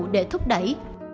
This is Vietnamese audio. để thúc đẩy